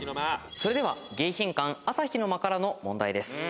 それでは迎賓館朝日の間からの問題です。